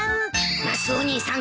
マスオ兄さん